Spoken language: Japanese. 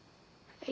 はい。